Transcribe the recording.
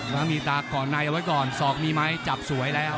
แล้วมีตาก่อนในเอาไว้ก่อนสอกมีไหมจับสวยแล้ว